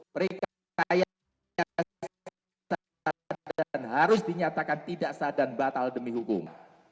mereka kaya dan harus dinyatakan tidak sah dan batal demi hukum